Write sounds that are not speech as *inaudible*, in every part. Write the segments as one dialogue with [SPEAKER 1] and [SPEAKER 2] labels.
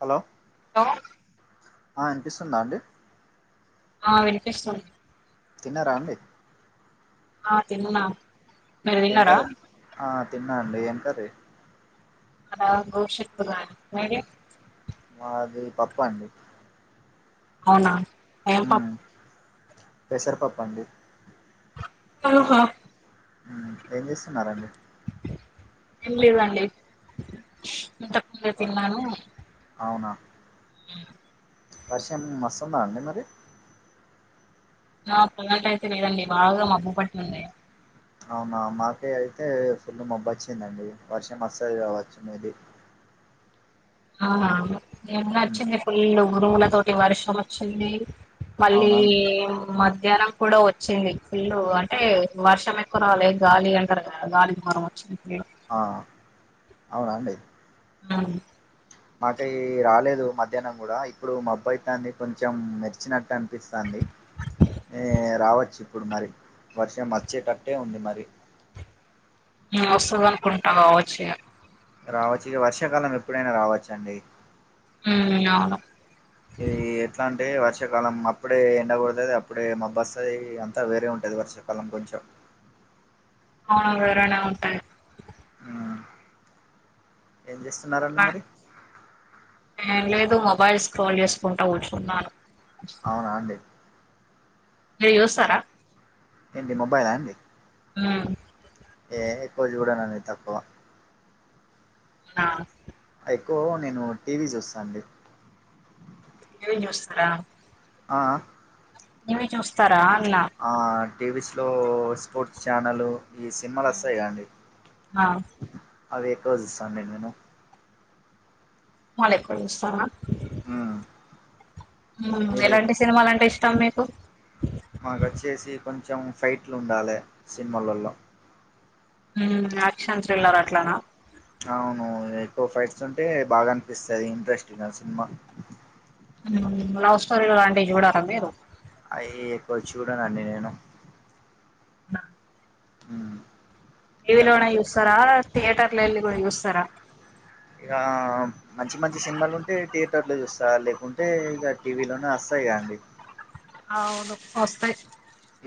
[SPEAKER 1] Hello
[SPEAKER 2] hello
[SPEAKER 1] ఆ ఇనిపిస్తుందా అండి.
[SPEAKER 2] ఆ వినిపిస్తుంది.
[SPEAKER 1] తిన్నరా అండి?
[SPEAKER 2] ఆ తిన్నా. మీరు
[SPEAKER 1] ఎం
[SPEAKER 2] తిన్నారా
[SPEAKER 1] కర్రీ. ఆ తిన్నా అండి. ఎం కర్రీ?
[SPEAKER 2] ఆ గోరుచిక్కుడుకాయ. మీది?
[SPEAKER 1] మాది పప్పు అండి.
[SPEAKER 2] అవునా. ఏం
[SPEAKER 1] ఉమ్
[SPEAKER 2] పప్పు?
[SPEAKER 1] పెసరపప్పు అండి.
[SPEAKER 2] ఆహా
[SPEAKER 1] ఏం చేస్తున్నారండి?
[SPEAKER 2] ఏం లేదండి, ఇంతకముందే
[SPEAKER 1] వ-
[SPEAKER 2] తిన్నాను.
[SPEAKER 1] అవునా
[SPEAKER 2] *inaudible*
[SPEAKER 1] వర్షం వస్తుందా అండి మరి.
[SPEAKER 2] ఆ కొలాయిట అయితే లేదండి బాగా మబ్బు పట్టి ఉంది.
[SPEAKER 1] అవునా మాకేయి అయితే ఫుల్ మబ్బు వచ్చిందండి. వర్షం వస్తది కావచ్చు మే బి.
[SPEAKER 2] ఆ నిన్న
[SPEAKER 1] ఉమ్
[SPEAKER 2] అచ్చింది ఫుల్ ఉరుముల తోటి వర్షం అచ్చింది. మళ్ళీ
[SPEAKER 1] అవునా అండి
[SPEAKER 2] మధ్యాహ్నం కూడా వ చ్చింది ఫుల్లు అంటే వర్షం ఎక్కువ రాలే, గాలి అంటరు కా గాలికి ధూమారం వచ్చింది.
[SPEAKER 1] ఆ అవునా అండి.
[SPEAKER 2] అవును
[SPEAKER 1] మాకేయి రాలేదు మధ్యాహ్నం కూడా. ఇప్పుడు మబ్బు అయితాంది కొంచెం మెర్చినట్టు అనిపిస్తాం ది ఏ రావచ్చు ఇప్పుడు మరి వర్షం అచ్చేటట్టే ఉంది మరి.
[SPEAKER 2] ఆ వస్తదనుకుంట కావచ్చు ఇగా.
[SPEAKER 1] రావచ్చు ఇగ వర్షాకాలం ఎప్పుడైనా రావచ్చండి.
[SPEAKER 2] హ్ అవును.
[SPEAKER 1] ఇది ఎట్లా అంటే వర్షాకాలం అప్పుడే ఎండ కొడుతది, అప్పుడే మబ్బు అస్తది అంతా వేరే ఉంటది వర్షాకాలం కొంచెం.
[SPEAKER 2] అవును వేరేనే ఉంటది.
[SPEAKER 1] ఉమ్, ఏం చేస్తున్నారు అండి
[SPEAKER 2] అట్లా
[SPEAKER 1] మరి.
[SPEAKER 2] ప్పుడు మొబైల్ స్రోల్ చేసుకుంట కూర్చున్నాను.
[SPEAKER 1] అవునా అండి.
[SPEAKER 2] ఇవి చూస్తారా
[SPEAKER 1] ఏంటి మొబైల్ అండి
[SPEAKER 2] ఆ
[SPEAKER 1] ఏ ఎక్కువ చూడనండి తక్కువ
[SPEAKER 2] నా
[SPEAKER 1] ఎక్కువ నేను టీవీ చూస్తా అండి
[SPEAKER 2] టీ చూస్తారా
[SPEAKER 1] ఆ
[SPEAKER 2] ఇవి చూస్తారా అన్నా
[SPEAKER 1] ఆ టీవీస్ లో స్పోర్ట్స్ ఛానలు ఈ సినిమాల్లో
[SPEAKER 2] హ్మ్
[SPEAKER 1] వస్తాయి కదా అండి
[SPEAKER 2] ఆ
[SPEAKER 1] అవి ఎక్కువ చూస్తా అండి నేను
[SPEAKER 2] మాల్ ఎక్కువ చూస్తావా
[SPEAKER 1] ఆ
[SPEAKER 2] ఎలాంటి సినిమాలంటే ఇష్టం మీకు
[SPEAKER 1] మాకు వచ్చేసి కొంచెం ఫైట్లు ఉండలే సినిమలలో
[SPEAKER 2] యాక్షన్ థ్రిల్లర్ అట్లానా
[SPEAKER 1] అవును ఎక్కువ ఫైట్స్ ఉంటే బాగా అనిపిస్తది ఇంట్రెస్టింగ్ సినిమా
[SPEAKER 2] లవ్ స్టోరీ లాంటివి చూడారా మీరు
[SPEAKER 1] అయి ఎక్కువ చూడంనండి నేను
[SPEAKER 2] అవునా?
[SPEAKER 1] హ
[SPEAKER 2] టీవీలోనే చూస్తారా థియేటర్లు వెళ్ళి కూడా చూస్తారా
[SPEAKER 1] ఇక మంచి మంచి సినిమాలు ఉంటే థియేటర్ లో చూస్తా లేకుంటే ఇక టీవీలోనే వస్తాయి కా అండి
[SPEAKER 2] అవును వస్తాయి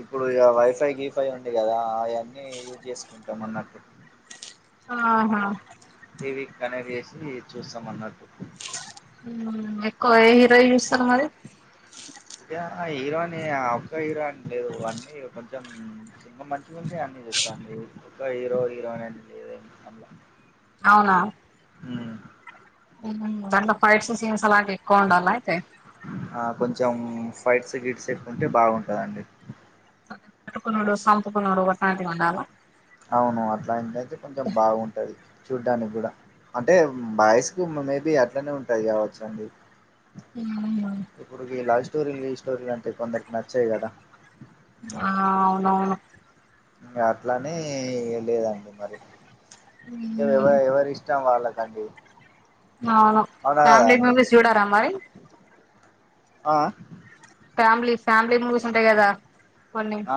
[SPEAKER 1] ఇప్పుడు ఇగ వైఫై గీఫై ఉంది కదా అయ్యన్నీ యూజ్ చేసుకుంటాం అన్నట్టు
[SPEAKER 2] ఆహా
[SPEAKER 1] టీవీకి కనెక్ట్ చేసి చూస్తాం అన్నట్టు
[SPEAKER 2] ఎక్కువ ఏ హీరోయి చూస్తారు మరి
[SPEAKER 1] గా ఆ హీరో ని ఆ ఒక్క హీరో అండి లేదు అన్నీ కొంచెం సినిమా మంచిగా ఉంటే అన్నీ చూస్తాం హీరో హీరోనే అంటిద
[SPEAKER 2] అవునా
[SPEAKER 1] అ
[SPEAKER 2] దాంట్లో ఫైట్స్ సీన్స్ అలాగే ఎక్కువ ఉండాల అయితే
[SPEAKER 1] ఆ కొంచెం ఫైట్స్ గిట్స్ ఎట్టుకుంటే బాగుంటదండి
[SPEAKER 2] కటుకున్నోడు సంపుకున్నోడు అట్లాంటివి ఉండాల
[SPEAKER 1] అవును అట్లాంటియితే కొంచెం బాగుంటది చూడ్డానికి కూడా అంటే బాయ్స్ కి మేబీ అట్లనే ఉంటది కావచ్చు అండి ఇప్పుడు గీ లవ్ స్టోరీలు ఈ స్టోరీలు అంటే కొందరికి నచ్చాయి కదా
[SPEAKER 2] ఆ అవునవును
[SPEAKER 1] అట్లానే లేదండి మరి ఎవ
[SPEAKER 2] ఉమ్,
[SPEAKER 1] ఎవరి ఇష్టం వాళ్ళకి రండి
[SPEAKER 2] అవును ఫ్యామలీ మెంబెర్స్ చూడరా మరి
[SPEAKER 1] ఆ
[SPEAKER 2] ఫ్యామిలీ ఫ్యామిలీ మూవీస్ ఉంటాయి కదా కొన్ని
[SPEAKER 1] ఆ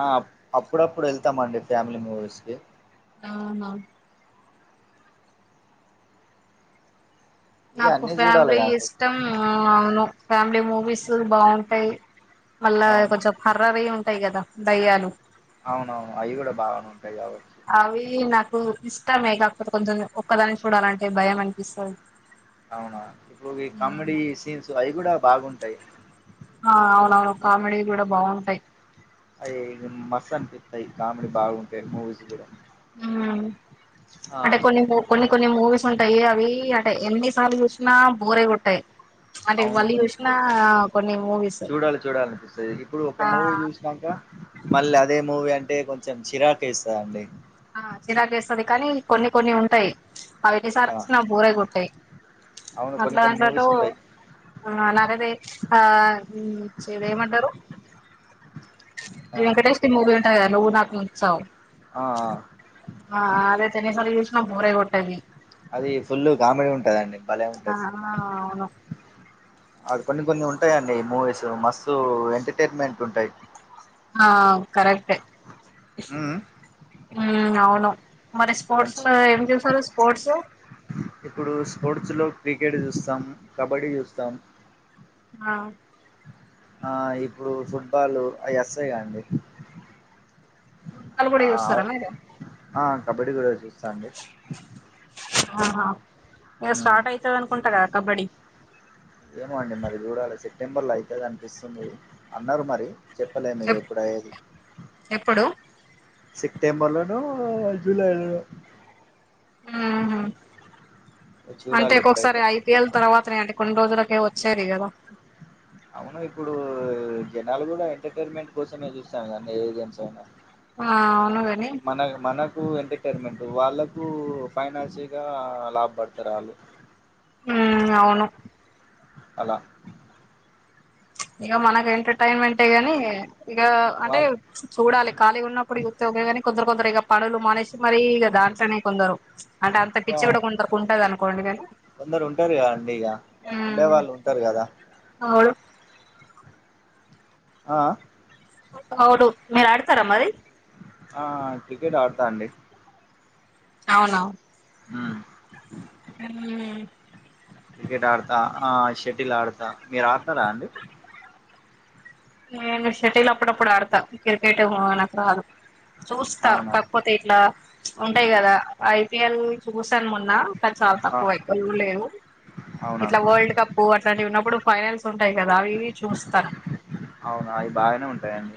[SPEAKER 1] అప్పుడప్పుడు వెళ్తామండి ఫ్యామిలీ మూవీస్ కి
[SPEAKER 2] అవునా
[SPEAKER 1] ఇగ
[SPEAKER 2] నాకు
[SPEAKER 1] అన్నీ చూడాలి
[SPEAKER 2] ఫ్యామిలీ
[SPEAKER 1] కదండి
[SPEAKER 2] ఇష్టం అవును ఫ్యామిలీ మూవీస్ బాగుంటాయి మళ్ళ
[SPEAKER 1] అవును
[SPEAKER 2] కొంచెం హర్రర్వి ఉంటాయి కదా దయ్యాలు
[SPEAKER 1] అవునవును అవి కూడా బాగానే ఉంటాయి కాబట్టి
[SPEAKER 2] అవి నాకు ఇష్టమే కాక్పోతే కొంచెం ఒక్కదాని చూడాలంటే భయం అనిపిస్తాది
[SPEAKER 1] అవునా ఇప్పుడు కామెడీ సీన్స్ అవి కూడా బాగుంటాయి
[SPEAKER 2] ఆ అవునవును కామెడీ కూడా బాగుంటాయి
[SPEAKER 1] అయ్యాయా మస్త్ అనిపిస్తాయి కామెడీ బాగుంటాయి మూవీస్ కూడా
[SPEAKER 2] హ్మ్
[SPEAKER 1] ఆ
[SPEAKER 2] అంటే కొన్ని కొన్ని కొన్ని మూవీస్ ఉంటాయి అవి అంటే ఎన్నిసార్లు చూసినా బోరే కొట్టాయి అంటే
[SPEAKER 1] అవును
[SPEAKER 2] మళ్ళీ
[SPEAKER 1] కొన్ని
[SPEAKER 2] చూసిన కొన్ని మూవీస్
[SPEAKER 1] చూడాలి చూడాలనిపిస్తుంది ఇప్పుడు ఒక
[SPEAKER 2] ఆ
[SPEAKER 1] మూవీ చూసినాక మళ్ళ అదే మూవీ అంటే కొంచెం చిరాకు ఎస్తాదండి
[SPEAKER 2] ఆ చిరాక్ ఎస్తాది కానీ కొన్ని కొన్ని ఉంటాయి అవి ఏన్నిసార్
[SPEAKER 1] ఆ
[SPEAKER 2] వచ్చిన బోరె కొట్టాయ్
[SPEAKER 1] అవును కొన్ని
[SPEAKER 2] అట్లా
[SPEAKER 1] కొన్ని మూవీస్
[SPEAKER 2] అంటట్టావ్
[SPEAKER 1] ఉంటాయి
[SPEAKER 2] ఆ నాకైతే ఆ హ్మ్ చెదేయ్మంటారు
[SPEAKER 1] ఆ
[SPEAKER 2] వెంకటేష్కి మూవీ
[SPEAKER 1] చెప్పండి.
[SPEAKER 2] ఉంటాయి కదా నువ్వు నాకు చ్చావ్
[SPEAKER 1] ఆ ఆ.
[SPEAKER 2] అదైతేనె ఎన్ని సార్లు చుసిన బోరే కొట్టది
[SPEAKER 1] అది ఫుల్ కామెడీ ఉంటదండి భలే
[SPEAKER 2] ఆ
[SPEAKER 1] ఉంటది సినిమా
[SPEAKER 2] అవును
[SPEAKER 1] అవి కొన్ని కొన్ని ఉంటాయిండి మూవీస్ మస్తు ఎంటర్టైన్మెంట్ ఉంటాయి
[SPEAKER 2] ఆ కరెక్టే
[SPEAKER 1] మ్మ్
[SPEAKER 2] అవును మరి స్పోర్ట్స్
[SPEAKER 1] మంచి
[SPEAKER 2] లో ఏం చేసారు స్పోర్ట్స్
[SPEAKER 1] స్పోర్ట్స్లో క్రికెట్ చూస్తాం కబడ్డీ చూస్తాం
[SPEAKER 2] ఆ
[SPEAKER 1] ఆ ఇప్పుడు ఫుట్బాలు అవి వస్తాయా అండి
[SPEAKER 2] *unintelligible* చూస్తారన్నా ఇది
[SPEAKER 1] ఆ కబడ్డీ కూడా చూస్తా అండి
[SPEAKER 2] ఆహా ఇక
[SPEAKER 1] హ్మ్.
[SPEAKER 2] స్టార్ట్ అయ్తాది అనుకుంటా కదా కబడ్డీ
[SPEAKER 1] ఏమో అండి మరి చూడాలి సెప్టెంబర్ లో అయితుంది అనిపిస్తుంది అన్నారు మరి చెప్పలేను ఇక
[SPEAKER 2] ఎప్
[SPEAKER 1] ఎప్పుడయ్యేది
[SPEAKER 2] ఎప్పుడు
[SPEAKER 1] సెప్టెంబర్ లోను జులైలోను
[SPEAKER 2] హ్మ్ హు అంటే
[SPEAKER 1] చూడాలి
[SPEAKER 2] ఒక్కొసారి
[SPEAKER 1] ఎప్పుడైతదో
[SPEAKER 2] ఐపీఎల్ తర్వాతనే అంటే కొన్ని రోజుల ఏ వచేరి కదా
[SPEAKER 1] అవును ఇప్పుడు జనాలు కూడా ఎంటర్టైన్మెంట్ కోసమే చూస్తాన్నారు కద ఏనేన్స్ అయినా
[SPEAKER 2] ఆ అవునుగని
[SPEAKER 1] టు ఎంటర్టైన్మెంట్ వాళ్ళకు ఫైనాన్షియల్ గా లాభ పడతారు ఆళ్ళు
[SPEAKER 2] ఉమ్ అవును
[SPEAKER 1] అలా
[SPEAKER 2] ప్చ్ ఇగ మనకి ఎంటర్టైన్మెంట్ ఏ గనీ ఇగ అంటే
[SPEAKER 1] వాళ్ళు
[SPEAKER 2] చూడాలి ఖాళీ ఉన్నప్పుడు ఇగ ఒత్తే గాని కొందరు కొందరు ఇక పనులు మానేసి మరీ దాంట్లోనే కొందరు అంటే అంత పిచ్చ కూడా కొరుంటంది అనుకోండి కానీ
[SPEAKER 1] కొందరు ఉంటారు గా అండి ఇక ఉండే వాళ్ళు ఉంటారు కదా
[SPEAKER 2] అవును
[SPEAKER 1] ఆ ఆ
[SPEAKER 2] అవును మీరు ఆడుతారా మరి
[SPEAKER 1] ఆ క్రికెట్ ఆడతా అండి
[SPEAKER 2] అవునా
[SPEAKER 1] ఆ
[SPEAKER 2] ఉమ్
[SPEAKER 1] క్రికెట్ ఆడతా షెటిల్ ఆ ఆడతా మీరు ఆడతారా అండి
[SPEAKER 2] ఎ షెటీలు అప్పుడప్పుడు ఆడతా క్రికెట్ నాకురాదు చూస్తా
[SPEAKER 1] అవునా
[SPEAKER 2] కాకపోతే ఇట్లా ఉంటాయి కదా ఐపిఎల్ చూస్తా న్నా కా చాలా
[SPEAKER 1] ఆ
[SPEAKER 2] తక్కువ వైకులు లేదు
[SPEAKER 1] అవునా
[SPEAKER 2] ఇట్లా వరల్డ్ కప్పు అట్లాంటివి ఉన్నప్పుడు ఫైనాన్స్ ఉంటాయి కదా అవివి చూస్తారు
[SPEAKER 1] అవునా అయి బాగానే ఉంటాయండి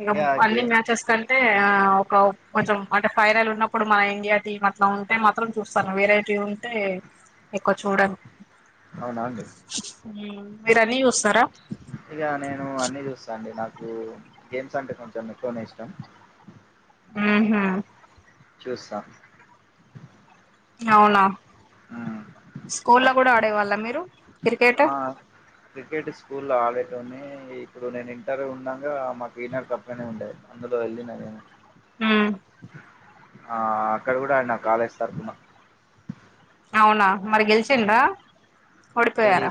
[SPEAKER 2] ఇగ
[SPEAKER 1] ఇక
[SPEAKER 2] అన్ని
[SPEAKER 1] గేమ్
[SPEAKER 2] మ్యాచెస్ కంటే ఆ, ఒక కొంచెం అంటే ఫైనల్ ఉన్నప్పుడు మన ఇండియా టీమ్ అట్లా ఉంటే మాత్రం చూస్తాను వేరే టీమ్ ఉంటే ఎక్కువ చూడను
[SPEAKER 1] అవునా
[SPEAKER 2] మీర అన్ని చూస్త
[SPEAKER 1] ఇగ నేను అన్ని చూస్తా అండి నాకు నాకు గేమ్స్ అంటే కొంచెం ఎక్కువనే ఇష్టం
[SPEAKER 2] ఉహు
[SPEAKER 1] చూస్తా
[SPEAKER 2] అవునా
[SPEAKER 1] మ్మ్
[SPEAKER 2] స్కూల్ లో కూడా ఆడేవాళ్ళ మీరు క్రికెట్
[SPEAKER 1] ఆ క్రికెట్ స్కూల్లో ఆడేటోడినీ ఇప్పుడు నేను ఇంటర్ ఉండంగా మాకు ఇన్నర్ తప్పనే ఉండేది అందులో వెళ్ళినదేమో
[SPEAKER 2] ఉ
[SPEAKER 1] ఆ అక్కడ కూడా అడిన కాలేజ్ తరుపున
[SPEAKER 2] అవునా మరి గెలిచిండ ఓడిపోఇండ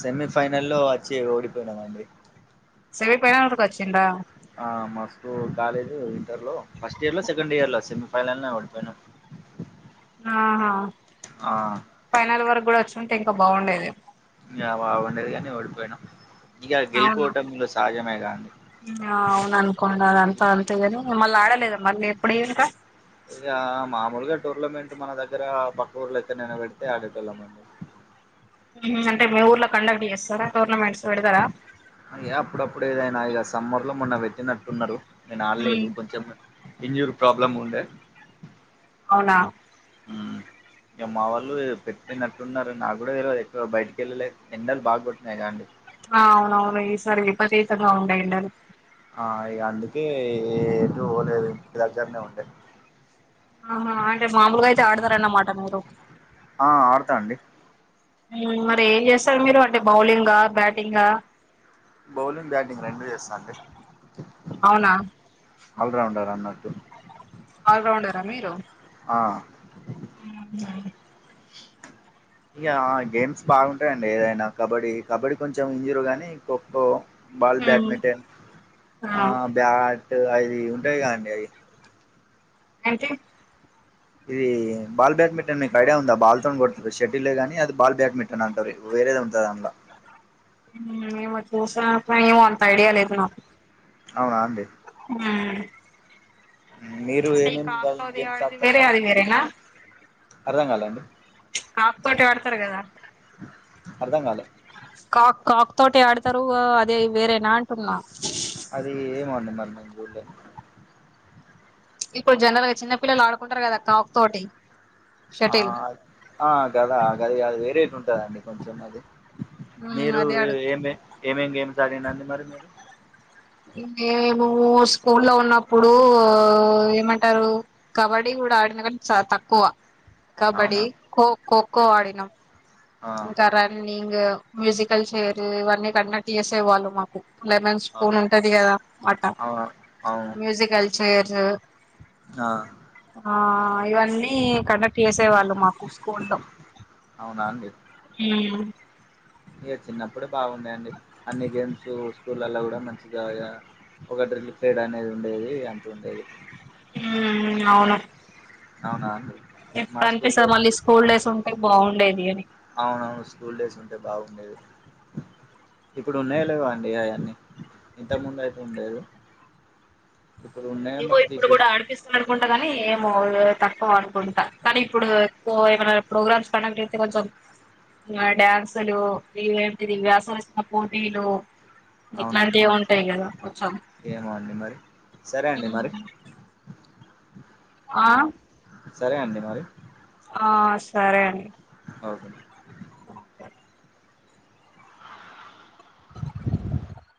[SPEAKER 1] సెమీ ఫైనల్ లో వచ్చి ఓడిపోయినామండి
[SPEAKER 2] సెమీ ఫైనల్ వరకు వచ్చిండా
[SPEAKER 1] ఆ మా స్కూల్ కాలేజ్ ఇంటర్ లో ఫస్ట్ ఇయర్ లో సెకండ్ ఇయర్ లో సెమిఫైనల్ లో వోడిపోయినాం
[SPEAKER 2] ఆహా
[SPEAKER 1] ఆ
[SPEAKER 2] ఫైనల్ వరకు కూడా వచ్చుంటే ఇంకా బావుండేది
[SPEAKER 1] యా బాగుండేది కాని ఓడిపోయినం
[SPEAKER 2] అవును ఆ అవుననుకొండి అది అంత అంతేగాని మళ్ళ ఆడలేదా మళ్ళీ ఎప్పుడు ఇంకా
[SPEAKER 1] ఇగ మాముూలుగా టోర్నమెంట్ మన దగ్గర పక్కఊర్లో ఎక్కడైనా పెడితే అడేటోళ్ళమండి
[SPEAKER 2] అంటే మీ ఊర్లో కండక్ట్ చేస్తారా టోర్నమెంట్స్ పెడతారా
[SPEAKER 1] అ అప్పుడప్పుడు ఏదైనా ఇక సమ్మర్ లో మొన్న పెట్టినట్టున్నారు నేను
[SPEAKER 2] ఉమ్
[SPEAKER 1] ఆడలేదు కొంచెం ఇంజూర్ ప్రాబ్లెమ్ ఉండే
[SPEAKER 2] అవునా
[SPEAKER 1] ఉ ఇగ మా వాళ్ళు పెట్టినట్టున్నారు నాకు కూడా తెలువదు బయటకి వెళ్ళలేదు ఎండలు బాగు కొట్టిన్నాయికాండి
[SPEAKER 2] ఆ అవునవును ఈసారి విపరీతంగా ఉన్నాయి ఎండలు
[SPEAKER 1] ఆ ఇగ అందుకే ఏడికి పోలేదు ఇంటి దగ్గరనే ఉండే
[SPEAKER 2] ఆహా అంటే మామూలుగా అయితే ఆడతారన్నమాట మీరు
[SPEAKER 1] తా అండి
[SPEAKER 2] ఉమ్ మరి ఏం జేస్తరు మీరు అంటే బౌలింగ్ గా బ్యాటింగ్ గా
[SPEAKER 1] బౌలింగ్ బ్యాటింగ్ రెండు చేస్తా అండి
[SPEAKER 2] అవునా
[SPEAKER 1] ఆల్ రౌండర్ అన్నట్టు
[SPEAKER 2] ఆల్ రౌండర్ ఆ మీరు
[SPEAKER 1] ఆ ఇగ గేమ్స్ బాగుంటాయండి ఏదైనా కబడ్డీ కబడ్డీ కొంచెం ఇరు గానీ ఖోఖో బాల్
[SPEAKER 2] ఉమ్
[SPEAKER 1] బ్యాడ్మింటన్ ఆ బ్యాట్ అది ఉంటాయిగా అండి అది
[SPEAKER 2] అంటే
[SPEAKER 1] ఇది బాల్ బ్యాడ్మింటన్ మీకు ఐడియా ఉందా బాల్ తో కొడతారు షటిలే గానీ అది బాల్ బ్యాడ్మింటన్ అంటారు వేరేది ఉంటది అల్ల
[SPEAKER 2] ఏమో చూసాకాని ఏమో అంత ఐడియా లేదు నాకు
[SPEAKER 1] అవునా అండి
[SPEAKER 2] *inaudible*
[SPEAKER 1] మీరు
[SPEAKER 2] అంటే ఈ
[SPEAKER 1] ఏమేమి
[SPEAKER 2] కాక్ బాల్
[SPEAKER 1] గేమ్స్
[SPEAKER 2] ఆడేది
[SPEAKER 1] ఆడతారు
[SPEAKER 2] వేరే
[SPEAKER 1] మరి
[SPEAKER 2] అది వేరేనా
[SPEAKER 1] అర్థం కాలేండి
[SPEAKER 2] కాక్ తోటి ఆడతరు గదా
[SPEAKER 1] అర్ధం గాలే
[SPEAKER 2] కాక్ తోటి ఆడతరు అదే వేరేనా అంటున్నా
[SPEAKER 1] అది ఏమో అండి మరి నేన్ జూడలే
[SPEAKER 2] ఇప్పుడు జనరల్ గా చిన్న పిల్లలు ఆడుకుంటారు గదా కాక్ తోటి
[SPEAKER 1] ఆ
[SPEAKER 2] షటిల్
[SPEAKER 1] ఆ గదా గది గాదు వేరే ఉంటదండి కొంచెం అది
[SPEAKER 2] మ్
[SPEAKER 1] మీరు
[SPEAKER 2] అదే ఆడు
[SPEAKER 1] ఏమ్ ఏమేమి గేమ్స్ ఆడిర్రు అండి మరి మీరు
[SPEAKER 2] మేము స్కూల్ లో ఉన్నప్పుడు ఏమంటారు కబడ్డీ గూడా ఆడిన గానీ చానా తక్కువ
[SPEAKER 1] అవునా
[SPEAKER 2] కబడ్డీ ఖో ఖోఖో ఆడినం
[SPEAKER 1] ఆ
[SPEAKER 2] ఇంకా రన్నింగ్ మ్యూజికల్ చేర్ ఇవన్నీ కండక్ట్ చేసేవాళ్ళు మాకు లెమన్స్ స్పూన్ ఉంటది కదా ఆట
[SPEAKER 1] అవును అవును
[SPEAKER 2] మ్యూజికల్ చైర్స్
[SPEAKER 1] ఆ!
[SPEAKER 2] ఆ ఇవన్నీ కండక్ట్ చేసే వాళ్ళు మాకు స్కూల్లో ఉమ్
[SPEAKER 1] ఇగ చిన్నప్పుడే బాగుండే అండి అన్ని గేమ్స్ స్కూల్లల్ల గూ డా మంచిగా ఇగ ఒక డ్రిల్ పిరేడ్ అనేది ఉండేది అంత ఉండేది
[SPEAKER 2] ఉమ్ అవును
[SPEAKER 1] అవునా అండి మా
[SPEAKER 2] ఇప్పుడు
[SPEAKER 1] స్కూల్లో
[SPEAKER 2] అనిపిస్తది మళ్ళీ స్కూల్ డేస్ ఉంటే బాగుండేది అని
[SPEAKER 1] అవునవును స్కూల్ డేస్ ఉంటే బాగుండేది ఇప్పుడు ఉన్నాయో లేవో అండి అయన్నీ ఇంత ముందు అయితే ఉండేది
[SPEAKER 2] ఇగో
[SPEAKER 1] మరి
[SPEAKER 2] ఇప్పుడు గూడా
[SPEAKER 1] తీసేసి
[SPEAKER 2] ఆడిపిస్తుందనుకుంటా గాని ఏమో తక్కువ అనుకుంటా కానీ ఇప్పుడు ఎక్కువ ఏమైనా ప్రోగ్రామ్స్ పనంటేతే కొంచెం మా డ్యాన్సులు ఇగ ఏంటిది వ్యాసరచన పోటీలు
[SPEAKER 1] అవునా
[SPEAKER 2] ఇట్లాంటివి ఉంటయ్ గదా కొంచం
[SPEAKER 1] ఏమో అండి మరి సరే అండి మరి
[SPEAKER 2] ఆ
[SPEAKER 1] సరే అండి మరి
[SPEAKER 2] ఆ సరే అండి
[SPEAKER 1] ఓకే
[SPEAKER 2] ఓకే